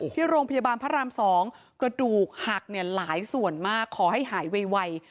ที่โรงพยาบาลพระราม๒กระดูกหักหลายส่วนมากขอให้หายไว